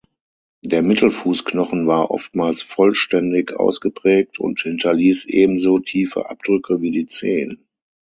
Der Mittelfußknochen war oftmals vollständig ausgeprägt und hinterließ ebenso tiefe Abdrücke wie die Zehen.